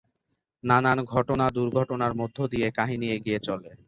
নানান ঘটনা, দুর্ঘটনার মধ্য দিয়ে কাহিনী এগিয়ে চলে।